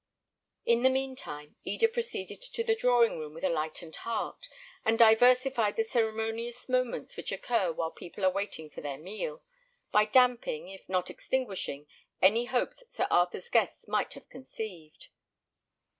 In the mean time, Eda proceeded to the drawing room with a lightened heart, and diversified the ceremonious moments which occur while people are waiting for their meal, by damping, if not extinguishing, any hopes Sir Arthur's guests might have conceived.